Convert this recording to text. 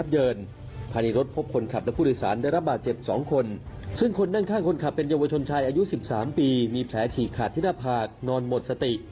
อยู่๑๓ปีมีแผลฉีกขาดที่หน้าผากนอนหมดสติ